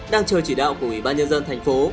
đang chờ chỉ đạo của ủy ban nhân dân thành phố